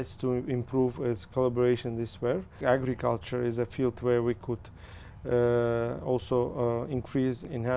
vì vậy tôi sẽ làm gì sau khi quay về nhà